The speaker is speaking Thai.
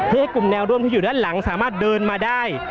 ให้กลุ่มแนวร่วมที่อยู่ด้านหลังสามารถเดินมาได้